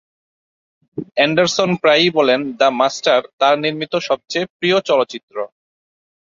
Anderson প্রায়ই বলেন "the master" তার নির্মিত সবচেয়ে প্রিয় চলচ্চিত্র।